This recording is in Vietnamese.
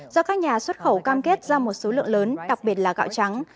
do các nhà xuất khẩu cam kết ra một số lượng lớn đặc biệt là gạo trắng